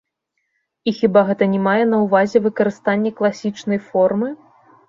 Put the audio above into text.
І хіба гэта не мае на ўвазе выкарыстанне класічнай формы?